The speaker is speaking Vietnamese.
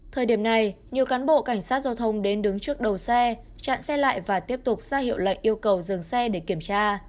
thời điểm này nhiều cán bộ cảnh sát giao thông đến đứng trước đầu xe chặn xe lại và tiếp tục ra hiệu lệnh yêu cầu dừng xe để kiểm tra